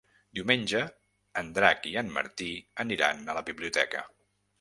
Diumenge en Drac i en Martí aniran a la biblioteca.